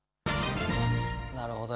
なるほど。